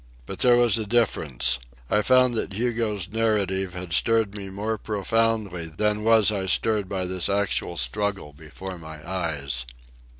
But there was a difference, I found that Hugo's narrative had stirred me more profoundly than was I stirred by this actual struggle before my eyes.